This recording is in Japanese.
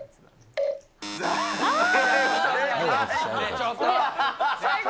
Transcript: ちょっと！